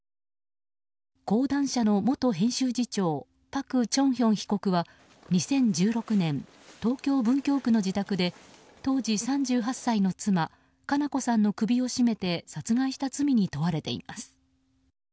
講談社の元編集次長パク・チョンヒョン被告は２０１６年東京・文京区の自宅で当時３８歳の妻佳菜子さんの首を絞めて殺害した罪に問われています。